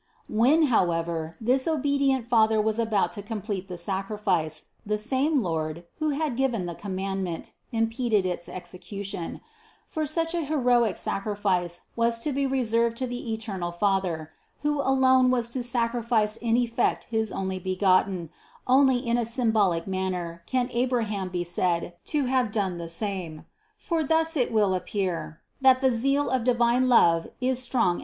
When, however, this obedient father was about to com plete the sacrifice, the same Lord, who had given the commandment, impeded its execution; for such a heroic sacrifice was to be reserved to the eternal Father, who alone was to sacrifice in effect his Onlybegotten: only in a symbolic manner can Abraham be said to have done THE CONCEPTION 137 the same: for thus it will appear, that the zeal of divine love is (Cant.